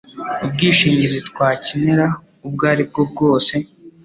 Ubwishingizi twakenera ubwo aribwo bwose